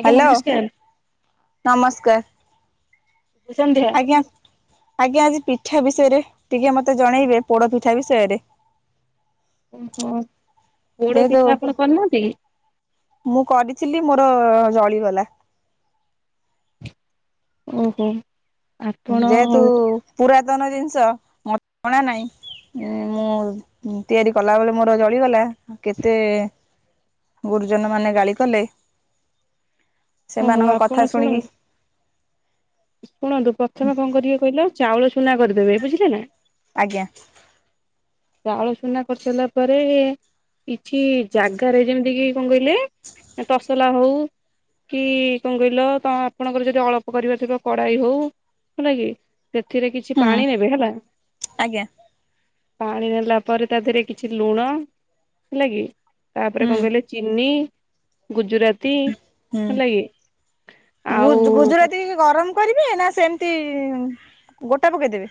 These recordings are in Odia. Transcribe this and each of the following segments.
ଆଜ୍ଞା ହାଲୋ ନମସ୍କାର ନମସ୍କାର। ସୁସନ୍ଧ୍ୟା। ଆଜ୍ଞା ଆଜ୍ଞା ଆଜି ପିଠା ବିଷୟରେ ଟିକେ ମତେ ଜଣେଇବେ ପୋଡ ପିଠା ବିଷୟରେ। ଓହୋ ପୋଡା ଯେହେତୁ ପିଠା ଆପଣ କରିନାହାନ୍ତି କି? ମୁଁ କରିଥିଲି ମୋର ଜଳିଗଲା। ଓହୋ। ଆପଣ ଯେହେତୁ ପୁରାତନ ଜିନିଷ ମତେ ଜଣା ନାହିଁ। ଉଁ ମୁଁ ତିଆରି କଲା ବେଳେ ମୋର ଜଳିଗଲା। ମୁ କେତେ ଗୁରୁଜନ ମାନେ ଗାଳି କଲେ। ଓହୋ ସେମାନଙ୍କ ଆପଣ କଥା ଶୁଣିକି ଶୁଣନ୍ତୁ ଶୁଣନ୍ତୁ ପ୍ରଥମେ କଣ କରିବେ କହିଲ ଚାଉଳ ଚୁନା କରିଦେବେ ବୁଝିଲେ ନା। ଆଜ୍ଞା। ଚାଉଳ ସୁନା କରିସାରିଲା ପରେ କିଛି ଜାଗାରେ ଯେମିତି କି କଣ କହିଲେ ତସଲା ହଉ କି କଣ କହିଲ ତ ଆପଣଙ୍କର ଯଦି ଅଳ୍ପ କରିବା ଥିବ କଡାଇ ହଉ ହେଲା କି। ସେଥିରେ କିଛି ହୁଁ ପାଣି ନେବେ ହେଲା। ଆଜ୍ଞା। ପାଣି ନେଲା ପରେ ତା ଦେହରେ କିଛି ଲୁଣ ହେଲା କିି ତାପରେ ହୁଁ କଣ କହିଲେ ଚିନି ଗୁଜୁରାତି ହେଲା ହୁଁ କି ଆଉ ଗୁଜୁରାତି ଗରମ କରିବେ ନା ସେମିତି ଗୋଟା ପକେଇଦେବେ?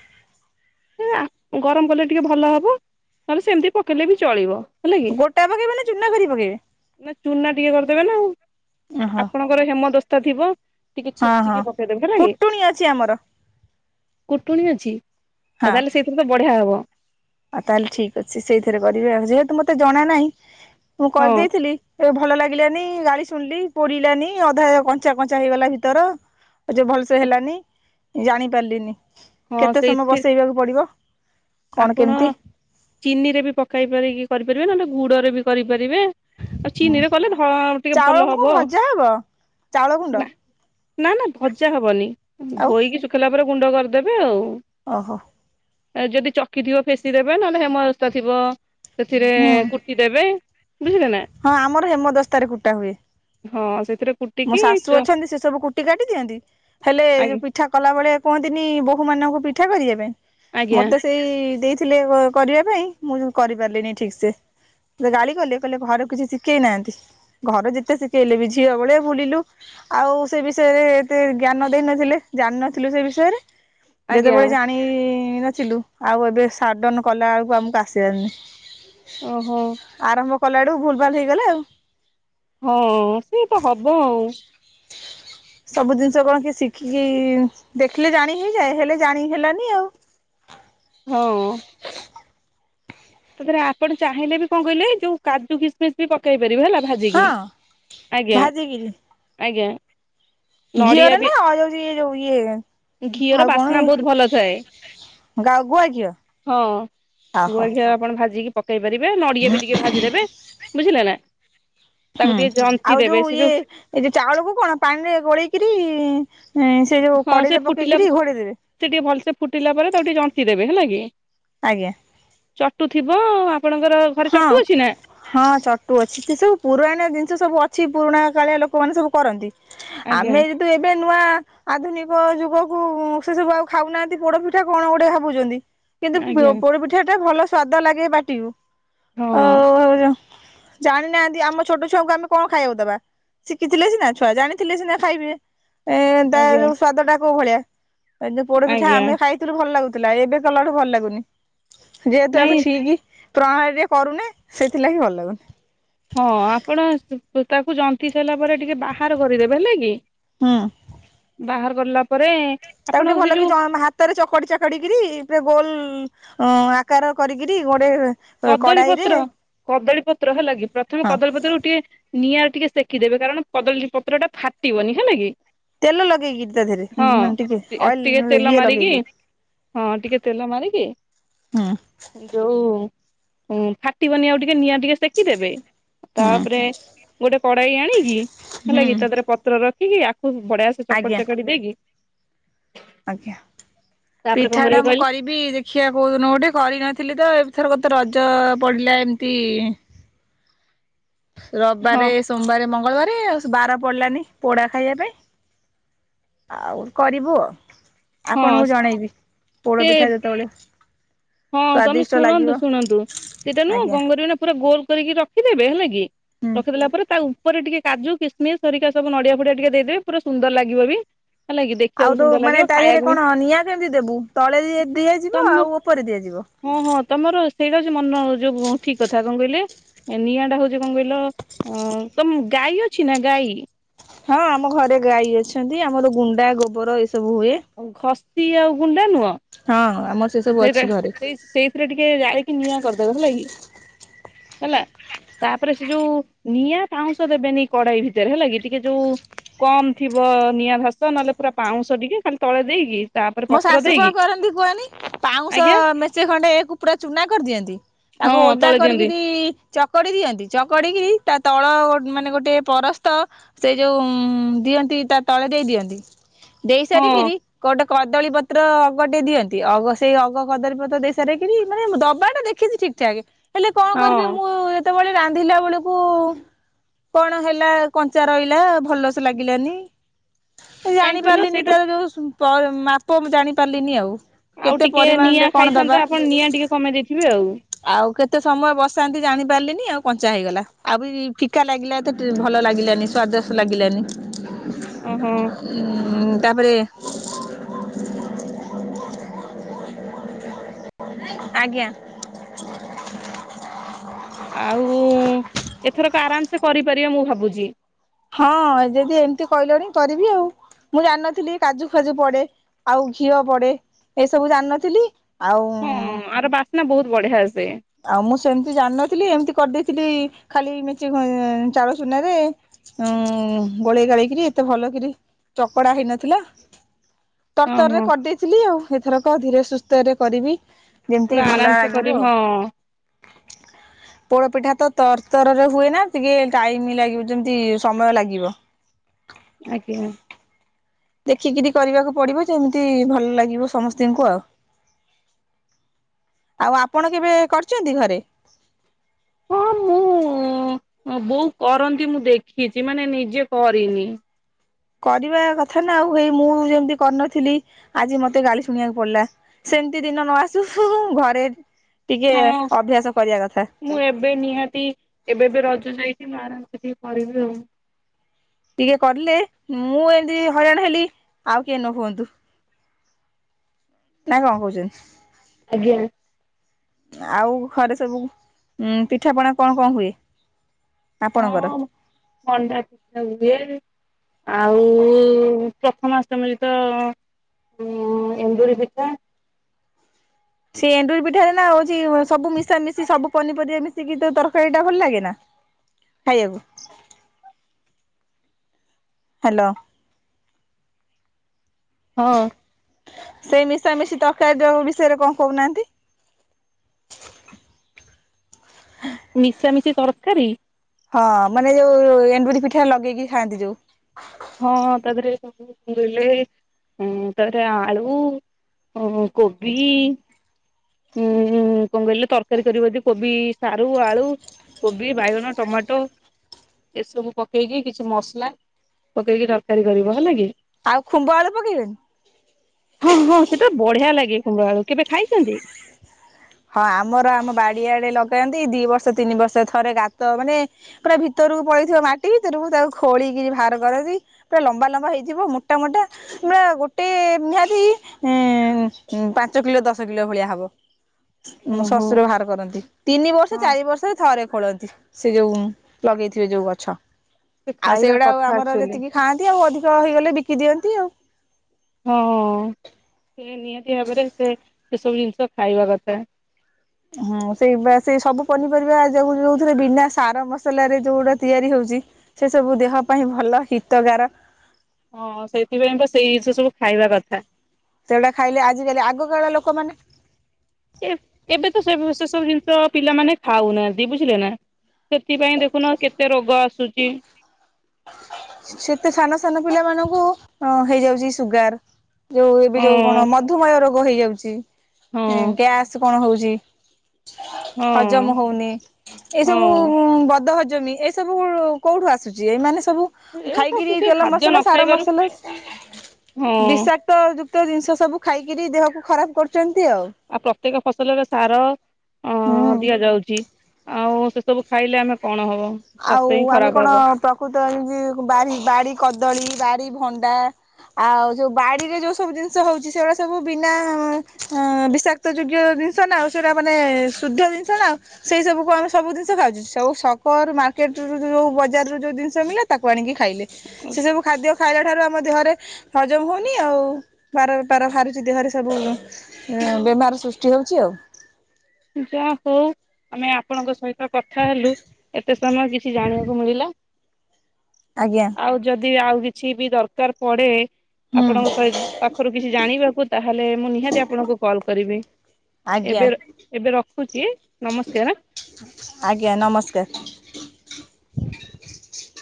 ଆ ଗରମ କଲେ ଟିକେ ଭଲ ହେବ ନହେଲେ ସେମିତି ପକେଇଲେ ବି ଚଳିବ। ହେଲାକି ଗୋଟା ପକେଇବେ ନା ଚୁନା କରି ପକେଇବେ ନା ଚୁନା ଟିକେ କରିଦେବେ ନା ଆଉ। ଓହୋ ଆପଣ ଘରେ ହେମଦସ୍ତା ଥିବ ଟିକେ ହଁ ହଁ ଛେଚିକି ପକେଇଦବେ ହେଲା କି। କୁଟୁଣୀ ଅଛି ଆମର କୁଟୁଣି ଅଛି ହଁ ଆଉ ତାହେଲେ ସେଇଥିରେ ତ ବଢିଆ ହବ। ଆଉ ତାହେଲେ ଠିକ ଅଛି ସେଇଥିରେ କରିବି ଆଉ। ଯେହେତୁ ମତେ ଜଣା ନାହିଁ ମୁଁ ହଁ କରିଦେଇଥିଲି। ଏ ଭଲ ଲାଗିଲାନି ଗାଳି ଶୁଣିଲି ପୋଡିଲାନି ଅଧା କଞ୍ଚା କଞ୍ଚା ହେଇଗଲା ଭିତର। ଆଉ ଯେ ଭଲସେ ହେଲାନି ଜାଣିପାରିଲିନି। ହଁ କେତେ ସମୟ ସେଇଥି ବସେଇବାକୁ ପଡିବ କଣ ହଁ କେମିତି? ଚିନିରେ ବି ପକାଇ ପାରିକି କରିପାରିବେ ନହେଲେ ଗୁଡରେ ବି କରିପାରିବେ। ଆଉ ହୁଁ ଚିନିରେ କଲେ ଧ ଟିକେ ଭଲ ଚାଉଳକୁ କଣ ହବ। ଭଜା ହବ ଚାଉଳ ଗୁଣ୍ଡ ନା ନା ଭଜା ହବନି ଆଉ ଧୋଇକି ସୁଖ୍ ଖିଲା ପରେ ଗୁଣ୍ଡ କରିଦେବେ ଆଉ। ଓହୋ। ଯଦି ଚକି ଥିବ ଫେସିି ଦେବେ ନହେଲେ ହେମଦସ୍ତା ଥିବ ସେଥିରେ ହୁଁ କୁଟି ଦେବେ ବୁଝିଲେ ନା। ହଁ ଆମର ହେମଦସ୍ତାରେ କୁଟା ହୁଏ ହଁ ସେଥିରେ ମୋ କୁଟିକି ଶାଶୁ ଚ ଅଛନ୍ତି ସେ ସବୁ କୁଟି କାଟି ଦିଅନ୍ତି। ହେଲେ ପି ଆଜ୍ଞା ପିଠା କଲା ବଳେ କୁହନ୍ତିନି ବୋହୂ ମାନଙ୍କୁ ପିଠା କରିବା ପାଇଁ ଆଜ୍ଞା ମତେ ସେଇ ଦେଇଥିଲେ କରିବା ପାଇଁ ମୁଁ କରିପାରିଲିନି ଠିକ ସେ ଗାଳି କଲେ କହିଲେ ଘରୁ କିଛି ଶିଖେଇନାହାନ୍ତି, ଘରୁ ଯେତେ ଶିଖେଇଲେ ବି ଝିଅ ବେଳେ ବୁଲିଲୁ। ଆଉ ସେ ବିଷୟରେ ଏତେ ଜ୍ଞାନ ଦେଇ ନଥିଲେ ଜାଣିନଥିଲୁ ସେ ବିଷୟରେ ଆଜ୍ଞା ଯେତେବେଳେ ଜାଣ ପାଣି ନଥିଲୁ ଆଉ ଏବେ ସାର୍ଡନ କଲା ବେଳକୁ ଆମକୁ ଆସିିବାରନାହିଁ। ଓହୋ। ଆରମ୍ଭ କଲାବେଳକୁ ଭୁଲ ଭାଲ ହେଇଗଲେ ଆଉ। ହଁ ସେ ତ ହବ ଆଉ। ସବୁ ଜିନିଷ କଣ କିଏ ଶିଖିକି, ଦେଖିଲେ ଜାଣି ହେଇଯାଏ ହେଲେ ଜାଣି ହେଲାନି ଆଉ। ହଁ। ତା ଦେହରେ ଆପଣ ଚାହିଁଲେ ବି କଣ କହିଲେ ଯୋଉ କାଜୁ କିସମିସ୍ ବି ପକେଇ ପାରିବେ ହେଲା ଭାଜିକି। ହଁ ଆଜ୍ଞା, ଭାଜିକିରି ଆଜ୍ଞା। ନଡିଆ ଘିଅରେ ବି ନା ଆଉ ଯାଉଛି ଇଏ ଯୋଉ ଇଏ ଘିଅର ଆଉ କଣ ବାସ୍ନା ଏ ବହୁତ ଭଲ ଥାଏ। ଗୁଆ ଘିଅ ହଁ ଅହୋ ଗୁଆ ଘିଅ। ଆପଣ ଭାଜିକି ପକେଇ ପାରିବେ ନଡିଆ ବି ଟିକେ ଭାଜିଦେବେ ବୁଝିଲ ନା। ତାକୁ ଟିକେ ଜନ୍ତିି ଦେବେ ସେ ଯୋଉ ଏଇ ଯୋଉ ଚାଉଳକୁ କଣ ପାଣିରେ ଗୋଳେଇକିରି ସେ ଯୋଉ ହଁ କଡେଇରେ ସେ ଫୁଟିଲା ପକେଇକିରି ଘୋଡେଇଦେବେ। ସେ ଟିକେ ଭଲସେ ଫୁଟିଲା ପରେ ତାକୁ ଟିକେ ଯନ୍ତି ଦେବେ ହେଲା କି। ଆଜ୍ଞା। ଚଟୁ ଥିବ ଆପଣଙ୍କର ଘରେ ହଁ। ଚଟୁ ଅଛି ନା? ହଁ ଚଟୁ ଅଛି। ସେ ସବୁ ପୁରଣିଆ ଜିନିଷ ସବୁ ଅଛି। ପୁରୁଣା କାଳିଆ ଲୋକମାନେ ସବୁ କରନ୍ତି। ଆଜ୍ଞା ଆମେ ଜେହେତୁ ଏବେ ନୂଆ ଆଧୁନିକ ଯୁଗକୁ ସେ ସବୁ ଆଉ ଖାଉନାହାନ୍ତି ପୋଡପିଠା କଣ ଗୋଟେ ଭାବୁଛନ୍ତି। କିନ୍ତୁ ପୋ ଆଜ୍ଞା ପୋଡ଼ପିଠା ଟା ଭଲ ସ୍ୱାଦ ଲାଗେ ପାଟିକୁ। ହଁ। ହୋଉ ଭାଉଜ ଜାଣିନାହାନ୍ତି ଆମ ଛୋଟ ଛୁଆଙ୍କୁ ଆମେ କଣ ଖାଇବାକୁ ଦବା। ଶିଖିଥିଲେ ସିନା ଛୁଆ ଜାଣିଥିଲେ ସିନା ଖାଇବେ। ଏ ତା ଆଜ୍ଞା ଯୋଉ ସ୍ଵାଦ ଟା କୋଉ ଭଳିଆ ଏ ଯୋଉ ପୋଡ ପିଠା ଆଜ୍ଞା ଆମେ ଖାଇ ଭଲ ଲାଗୁଥିଲା ଏବେ କଲାଠୁ ଭଲ ଲାଗୁନି ଯେହେତୁ ନାଇଁ ଆମେ ଠିକ୍ ପ୍ରଣାଳୀ ରେ କରୁନେ ସେଥିଲାଗି ଭଲ ଲାଗୁନି। ହଁ ଆପଣ ତାକୁ ଜନ୍ତି ସାରିଲା ପରେ ଟିକେ ବାହାର କରିଦେବେ ହେଲା କି। ହୁଁ। ବାହାର ଗଲା ପରେ ତାକୁ ଟିକେ ଆପଣଙ୍କ ସେ ଭଲ କି ଯୋଉ ଜମ୍ ହା ତରେ ଚକଡି ଚାକଡି କରିରି ପା ଗୋଲ ଆକାର କରିକରି ଗଡେଇବେ। କଦଳୀ ପତ୍ର କଦଳୀ ପତ୍ର ହେଲା କି ପ୍ରଥମେ ହଁ କଦଳୀପତ୍ର ଟିକିଏ ନିଆଁ ରେ ଟିକେ ସେଖିଦେବେ କାରଣ କଦଳୀ ପତ୍ର ଟା ଫାଟିବନି ହେଲା କି। ତେଲ ଲଗେଇକି ତା ଧରେ ହଁ। ଟିକେ ଟିକେ ଅଏଲ ତେଲ ଇଏ ମାରିକି ଲଗେଇକି। ହଁ ଟିକେ ତେଲ ମାରିକି ହୁଁ ଯୋଉ ହୁଁ ଫାଟିବନି ଆଉ ଟିକେ ନିଆଁ ଟିକେ ସେକିଦେବେ ହୁଁ ତାପରେ ଗୋଟେ କଡାଇ ଆଣିକି ହେଲା ହୁଁ କି ତା ଦେହରେ ପ ତ୍ର ରଖିକି ଆକୁ ବଢିଆ ସେ ଚକଡ଼ି ଆଜ୍ଞା ଚାକଡ଼ି ଦେଇକି ଆଜ୍ଞା ତାପରେ କଣ ପିଠା ଟା କରିବେ ମୁଁ କହିଲେ କରି ବି ଦେଖିବା କୋଉ ଦିନ ଗୋଟେ କରିନଥିଲି ତ ଏଥର କତ ରଜ ପଡିଲା ଏମିତି ହଁ ରବିବାରେ ସୋମବାର ମଙ୍ଗଳବାର ଆଉ ବାର ପଡିଲାନି ପୋଡା ଖାଇବା ପାଇଁ ଆଉ କରିବୁ ଆଉ ହଁ ଆପଣଙ୍କୁ ଜଣେଇବି ପୋଡ ସେ ପିଠା ଯେତେବେଳେ ହଁ ତମେ ସ୍ଵାଦିଷ୍ଟ ଶୁଣନ୍ତୁ ଲାଗିବ। ଶୁଣନ୍ତୁ ସେଇଟା ନୁହଁ ଆଜ୍ଞା କଣ କରିବେନା ପୁରା ଗୋଲ କରିକି ରଖିଦେବେ ହେଲା କି ହୁଁ। ରଖିଦେଲା ପରେ ତା ଉପରେ ଟିକେ କାଜୁ କିସମି ହରିକା ସବୁ ନଡିଆ ଫଡିଆ ଟିକେ ଦେଇଦେବେ ପୁରା ସୁନ୍ଦର ଲାଗିବ ବି। ହେଲା କି ଦେଖିବାକୁ ଆଉ ଦୋଉ ସୁନ୍ଦର ମାନେ ଲାଗିବ ତା ଦେହରେ ଖାଇବାକୁ ବି କଣ ନିଆଁ କେମିତି ଦେବୁ ତଳେ ତମ ଦିଆଯିବ ଆଉ ଉପରେ ଦିଆଯିବ? ହଁ ହଁ ତମର ସେଇଟା ଅଛି ମନ ଯୋଉ ଠିକ୍ କଥା କଣ କହିଲେ ନିଆଁ ଟା ହୋଉଚି କଣ କହିଲ ଅ ତମ ଗାଈ ଅଛି ନା ଗାଈ? ହଁ ଆମ ଘରେ ଗାଈ ଅଛନ୍ତି ଆମର ଗୁଣ୍ଡା ଗୋବର ଏସବୁ ହୁଏ। ଉଁ ଘଷି ଆଉ ଗୁଣ୍ଡା ନୁହଁ ହଁ ଆମର ସେ ସବୁ ଅଛି ଘରେ। ଏଥିରେ ଟିକେ ଜାଳିକି ନିଆଁ କରିଦେବେ ହେଲା କି ହେଲା। ତାପରେ ସେ ଯୋଉ ନିଆଁ ପାଉଁଶ ଦେବେନି କଡ଼େଇ ଭିତରେ ହେଲା କି ଟିକେ ଯୋଉ କମ୍ ଥିବ ନିଆଁ ଭାସ ନହେଲେ ପୁରା ପାଉଁଶ ଟିକେ ଖାଲି ତଳେ ଦେଇକି ତାପରେ ମୋ ପତ୍ର ଶାଶୁ କଣ ଦେଇକି କରନ୍ତି କୁହନି ପାଉଁଶ ଆଜ୍ଞା ମେଞ୍ଚେ ଖଣ୍ଡେ ଏକୁ ପୁରା ଚୂନା କରିଦିଅନ୍ତି। ହଁ ତାକୁ ଓଦା ତଳେ ଦିଅନ୍ତି କରିକିରି ଚକଡ଼ି ଦିଅନ୍ତି ଚକଡ଼ିକି ତା ତଳ ମାନେ ଗୋଟେ ପରସ୍ତ ସେ ଯୋଉ ଦିଅନ୍ତି ତା ତଳେ ଦେଇ ଦିଅନ୍ତି ଦେଇ ହଁ ସାରିକିରି କଦଳୀପତ୍ର ଅଗଟେ ଦିଅନ୍ତି ଅଗ ସେଇ ଅଗ କଦଳୀପତ୍ର ଦେଇସାରିକିରି ମାନେ ଦବାଟା ଦେଖିଛି ଠିକ୍। ଚାଗେ ହେଲେ କଣ ହଁ କରିବି ମୁଁ ଯେତେବେଳେ ରାନ୍ଧିଲା ବେଳକୁ କଣ ହେଲା କଞ୍ଚା ରହିଲା ଭଲ ସେ ଲାଗିଲାନି। ଏ କାହିଁ କହିଲ ଜାଣିପାରିଲିନି ସେଇଟା ତାର ଯୋଉ ମାପ ମୁଁ ଜାଣିପାରିଲିନି ଆଉ। ଆଉ କେତେ ଟିକେ ପରିମାଣରେ ନିଆଁ କଣ ଦବା ଖାଇଥାନ୍ତା ଆପଣ ନିଆଁ ଟିକେ କମେଇ ଦେଇଥିବେ ଆଉ। ଆଉ କେତେ ସମୟ ବସାନ୍ତି ଜାଣିପାରିଲିନି ଆଉ କଞ୍ଚା ହେଇଗଲା ଆଉ ବି ଫିକା ଲାଗିଲା ତ ଭଲ ଲାଗିଲାନି ସ୍ୱାଦସ୍ ଲାଗିଲାନି। ଓହୋ। ଉଁ ତାପରେ ଆଜ୍ଞା। ଆଉ, ଏଥରକ ଆରାମ ସେେ କରିପାରିବା ମୁଁ ଭାବୁଚି। ହଁ, ଯଦି ଏମିତି କହିଲଣି କରିବି ଆଉ। ମୁଁ ଜାଣିନଥିଲି କାଜୁ ଫାଜୁ ପଡେ, ଆଉ ଘିଅ ପଡେ, ଏସବୁ ଜାଣିନଥିଲି, ଆଉ ହୁଁ ଆର ବାସ୍ନା ବହୁତ ବଢିଆ ଆସେ। ଆଉ ମୁଁ ସେମିତି ଜାଣିନଥିଲି, ଏମିତି କରିଦେଇଥିଲି ଖାଲି ମେଞ୍ଚେ, ଚାଉଳ ଚୁନାରେ। ଉମ ଗୋଳେଇ ଗାଳେଇକିରି, ଏତେ ଭଲ କିରି ଚକଡା ହେଇନଥିଲା। [unintelligible] ତର ତର ରେ କରିଦେଇଥିଲି ଆଉ, ଏଥରକ ଧୀରେ ସୁସ୍ଥ ରେ କରିବି, ଯେମିତି ପୁରା ଭଲ ଆରାମସେ ଲାଗିବ କରିବି ଆଉ। ହଁ [unintelligible] ପୋଡ ପିଠା ତ ତରତରରେ ହୁଏ ନା, ଟିକେ ଟାଇମ ଲାଗି ଯେମିତି ସମୟ ଲାଗିବ। ଆଜ୍ଞା। ଦେଖିକିରି କରିବାକୁ ପଡିବ, ଯେମିତି, ଭଲ ଲାଗିବ ସମସ୍ତିଙ୍କୁ ଆଉ। ଆଉ ଆପଣ କେବେ କରିଚନ୍ତି ଘରେ? ହଁ ମୁଁ, ବୋଉ କରନ୍ତି ମୁଁ ଦେଖିଚି, ମାନେ ନିଜେ କରିନି। କରିବା କଥା ନା ଆଉ, ହେଇ ମୁଁ ଯେମିତି କରିନଥିଲି, ଆଜି ମତେ ଗାଲି ଶୁଣିବାକୁ ପଡିଲା। ସେମିତି ଦିନ ନ ଆସୁ, ହୁଁ ହୁଁ, ଘରେ ଟିକେ ହଁ ଅଭ୍ୟାସ କରିବା କଥା। ମୁଁ ଏବେ ନିହାତି, ଏବେ ଏବେ ରଜ ଯାଇଚି, ମୁଁ ଆରାମରେ ଟିକେ କରିବି ଆଉ। ଟିକେ କଲେ, ମୁଁ ଏମିତି ହଇରାଣ ହେଲି, ଆଉ କିଏ ନ ହୁଅନ୍ତୁ। ନାଁ କଣ କହୁଚନ୍ତି? ଆଜ୍ଞା। ଆଉ ଘରେ ସବୁ, ଉଁ, ପିଠାପଣା କଣ କଣ ହୁଏ ଆପଣଙ୍କର? ହଁ ମଣ୍ଡା ପିଠା ହୁଏ। ଆଉ ପ୍ରଥମାଷ୍ଟମୀରେ ତ ଉଁ ଉଁ ଏଣ୍ଡୁରି ପିଠା ସେ ଏଣ୍ଡୁୁରି ପିଠାରେ ନା ହଉଚି, ସବୁ ମିଶା ମିଶି ସବୁ ପନିପରିବା ମିଶି ମିଶିକିତ ତରକାରୀ ଟା ଭଲ ଲାଗେ ନା? ଖାଇଆକୁ। ହାଲୋ। ହଁ। ସେଇ ମିଶାମିଶି ତରକାରୀ ଯୋଉ, ବିଷୟରେ କଣ କହୁନାହାନ୍ତି? [unintelligible] ମିଶାମିଶି ତରକାରୀ? ହଁ, ମାନେ ଯୋଉ, ଏଣ୍ଡୁରି ପିଠା ଲଗେଇକି ଖାଆନ୍ତି ଯୋଉ? ହଁ, ତା ଦେହରେ ସବୁ ପୁରେଇଲେ, ଉଁ ତା ଦେହରେ ଆଳୁ ଉଁ ଉଁ କୋବି ହୁଁ ହୁଁ, କଣ କହିଲେ ତରକାରୀ କରିବ ଯଦି କୋବି, ସାରୁ, ଆଳୁ କୋବି, ବାଇଗଣ, ଟମାଟୋ ଏସବୁ ପକେଇକି, କିଛି ମସଲା ପକେଇକି, ତରକାରୀ କରିବ, ହେଲା କି? ଆଉ ଖୁମ୍ବ ଆଳୁ ପକେଇବେନି? ହଁ ହଁ, ସେଟା ବଢିଆ ଲାଗେ ଖୁମ୍ବ ଆଳୁ, କେବେ ଖାଇଚନ୍ତି? ହଁ, ଆମର ଆମ ବାଡିଆଡେ ଲଗାନ୍ତି, ଦି ବର୍ଷ, ତିନି ବର୍ଷ, ଥରେ ଗାତ ମାନେ ପୁରା ଭିତରକୁ ପଳେଇଥିବା ମାଟି ଭିତରକୁ, ତାକୁ ଖୋଳିକିରି ବାହାର କରନ୍ତି। ପୁରା ଲମ୍ବା ଲମ୍ବା ହେଇଥିବ, ମୋଟା ମୋଟା ନା ଗୋଟେ ନିହାତି, ପାଞ୍ଚ କିଲୋ ଦଶ କିଲୋ ଭଳିଆ ହବ। ମୋ ଓହୋ ଶଶୁର ବାହାର କରନ୍ତି। ତିନି ବର୍ଷ ହଁ ଚାରି ବର୍ଷରେ ଥରେ ଖୋଳନ୍ତି ସେ ଯୋଉ ଲଗେଇଥିବେ ଯୋଉ ଗଛ। ସେ ଆଉ ଖାଇବା ସେଇଗୁଡାକ କଥା ଆମର ଆକ୍ଚୁଆଲି ଯେତିକି ଖାଆନ୍ତି ଆଉ ଅଧିକ ହେଇଗଲେ ବିକି ଦିଅନ୍ତି ଆଉ। ହଁଅ ସେ ନିହାତି ଭାବରେ ସେ ସେସବୁ ଜିନିଷ ଖାଇବା କଥା। ହଁ ସେଇ ବା ସେଇ ସବୁ ପନିପରିବା ଯ ଯୋଉଥିରେ ବିନା ସାର ମସଲା ରେ ଯୋଉଗୁଡା ତିଆରି ହଉଛି। ସେ ସବୁ ଦେହ ପାଇଁ ଭଲ ହିତଗାର। ହଁ ସେଇଥିପାଇଁ ତ ସେଇ ଜିନିଷ ସବୁ ଖାଇବା କଥା। ସେଗୁଡା ଖାଇଲେ ଆଜିକାଲି ଆଗକାଳ ଲୋକମାନେ ଏବ୍ ଏବେ ତ ସେ ସେ ସବୁ ଜିନିଷ ପିଲାମାନେ ଖାଉନାହାନ୍ତି ବୁଝିଲେ ନା। ସେଥିପାଇଁ ଦେଖୁନ କେତେ ରୋଗ ଆସୁଛି। ସେତେ ସାନ ସାନ ପିଲା ମାନଙ୍କୁ ଅ ହେଇଯାଉଛି ସୁଗାର। ଯୋଉ ଏବେ ହଁ ଯୋଉ କଣ ମଧୁମେହ ରୋଗ ହେଇଯାଉଛି ହଁ ଗ୍ୟାସ୍ କଣ ହଉଛି। ହଁ ହଜମ ହଉନି ହଁ ଏଇସବୁ ଉଁ ବଦ ହଜମୀ ଏ ସବୁ କଉଠୁ ଆସୁଛି ଏଇମାନେ ସବୁ ଏ ସବୁ ଖାଇକିରି କିଛି ତେଲ ଖାଦ୍ୟ ମସଲା ନ ସାର ଖାଇବାରୁ ମସଲା ହଁ ବିଷାକ୍ କ୍ତ ଯୁକ୍ତ ଜିନିଷ ସବୁ ଖାଇକିରି ଦେହକୁ ଖରାପ କରୁଛନ୍ତି ଆଉ। ଆଉ ପ୍ରତ୍ୟେକ ଫସଲରେ ସାର ଅ ହୁଁ ଦିଆଯାଉଛଚି। ଆଉ ସେସବୁ ଖାଇଲେ ଆମେ କଣ ହବ। ଆଉ ସ୍ୱାସ୍ଥ୍ୟ ହିଁ ଆମେ ଖରାପ କଣ ହବ ପ୍ରକୃତ ଏମତି ବାରି ବାଡି କଦଳୀ, ବାଡ଼ି ଭଣ୍ଡା। ଆଉ ଯୋଉ ବାଡିରେ ଯୋଉ ସବୁ ଜିନିଷ ହଉଛି ସେଗୁଡା ସବୁ ବିନା ଅ ବିଷାକ୍। କ୍ତ ଯୋଗ୍ୟ ଜିନିଷ ନା ଆଉ ସେଇଟା ମାନେ ଶୁଦ୍ଧ ଜିନିଷ ନା ଆଉ। ସେଇ ସବୁ କୁ ଆମେ ସବୁ ଜିନିଷ ଖାଉଛୁ ସବୁ ସକର ମାର୍କେଟ ରୁ ଜୋଯୋଉ ବଜାର ରୁ ଯୋଉ ଜିନିଷ ମିଳେ ତାକୁ ଆଣିକି ଖାଇଲେ। ସେସବୁ ଖାଦ୍ୟ ଖାଇଲା ଠାରୁ ଆମ ଦେହରେ ହଜମ ହଉନି ଆଉ ବାର ବେପାର ବାହାରୁଛି ଦେହରେ ସବୁ। ବେମାର ସୃଷ୍ଟି ହଉଛି ଆଉ। ଯା ହୋଉ। ଆମେ ଆପଣଙ୍କ ସହିତ କଥା ହେଲୁ ଏତେ ସମୟ କିଛି ଜାଣିବାକୁ ମିଳିଲା। ଆଜ୍ଞା। ଆଉ ଯଦି ଆଉ କିଛି ବି ଦରକାର ପଡ଼େ। ହୁଁ ଆପଣଙ୍କ ସହିତ ପାଖରୁ କିଛି ଜାଣିବାକୁ ତାହେଲେ ମୁଁ ନିହାତି ଆପଣଙ୍କୁ କଲ କରିବି। ଆଜ୍ଞା ଏବେ ଏବେ ରଖୁଛି, ନମସ୍କାର। ଆଜ୍ଞା ନମସ୍କାର।